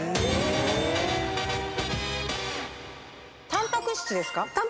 タンパク質ですか？